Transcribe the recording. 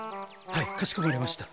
はいかしこまりました。